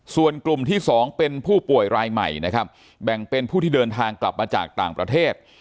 ส่วนกลุ่มที่๒เป็นผู้ป่วยรายใหม่นะครับแบ่งเป็นผู้ที่เดินทางกลับมาจากต่างประเทศ